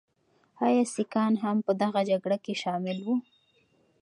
ایا سکهان هم په دغه جګړه کې شامل وو؟